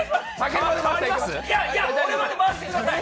俺まで回してください